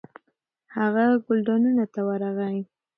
هغه ګلدانونو ته ورغی.